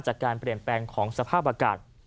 จากการเปลี่ยนแปลงของสภาพอากาศ